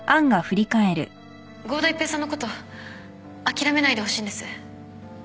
郷田一平さんのこと諦めないでほしいんです。